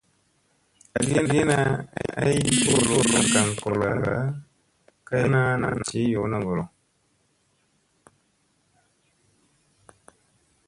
Tlagina aygi kolo gaŋ goloŋga kay ana ,nam ciy yoona ŋgolo.